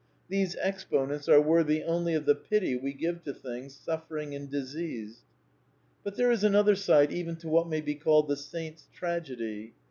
These exponents are worthy only of the pity we give to things Buffering and diseased. But there is another side even to what may be called the Saints' Tragedy.